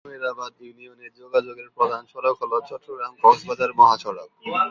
আমিরাবাদ ইউনিয়নে যোগাযোগের প্রধান সড়ক হল চট্টগ্রাম-কক্সবাজার মহাসড়ক।